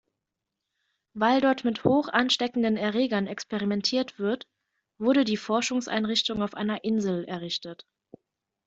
Weil dort mit hochansteckenden Erregern experimentiert wird, wurde die Forschungseinrichtung auf einer Insel errichtet.